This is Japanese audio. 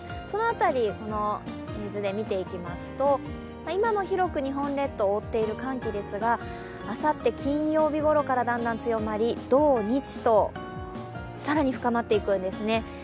その辺り、この図で見ていきますと今も広く日本列島を覆っている寒気ですがあさって金曜日ごろからだんだん強まり、土日と更に深まっていくんですね。